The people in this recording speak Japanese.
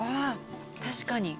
確かに！